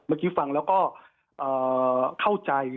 เมื่อกี้ฟังแล้วก็เข้าใจ